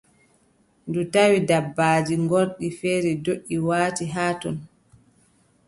Ndu tawi dabaaji ngorɗi feere ndoʼi, waati haa ton.